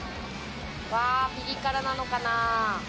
ピリ辛なのかな？